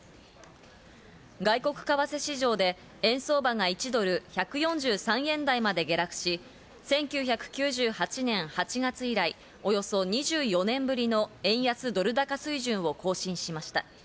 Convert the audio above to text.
外国為替市場で円相場が１ドル＝１４３円台まで下落し、１９９８年８月以来、およそ２４年ぶりの円安ドル高水準を更新しました。